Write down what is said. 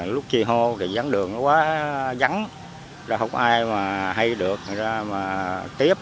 lúc chi hô gãy dò không có cách nào được theo tiệp